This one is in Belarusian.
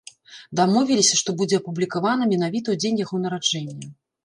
Дамовіліся, што будзе апублікавана менавіта ў дзень яго нараджэння.